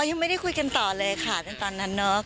ยังไม่ได้คุยกันต่อเลยค่ะเป็นตอนนั้นเนอะ